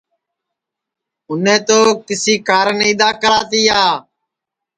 اُنے تو کسی کارن اِدؔا کرا تیا